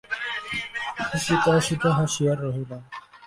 হাসিতে হাসিতে হাসি আর রহিলনা।